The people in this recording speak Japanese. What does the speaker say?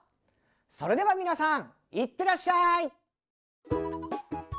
それでは皆さん行ってらっしゃい！